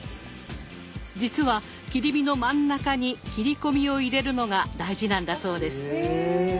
実は切り身の真ん中に切り込みを入れるのが大事なんだそうです。へ。